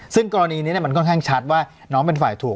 ซึ่งกรณีนี้มันค่อนข้างชัดว่าน้องเป็นฝ่ายถูก